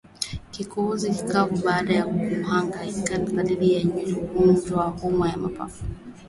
Kikohozi kikavu baada ya mahangaiko ni dalili nyingine ya ugonjwa wa homa ya mapafu